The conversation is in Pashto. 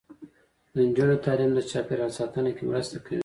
د نجونو تعلیم د چاپیریال ساتنه کې مرسته کوي.